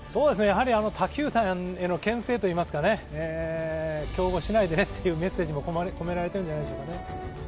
他球団へのけん制といいますか、競合しないでというメッセージも込められているんじゃないでしょうかね。